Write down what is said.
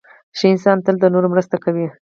• ښه انسان تل د نورو مرسته کوي.